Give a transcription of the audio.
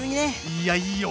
いやいいよ。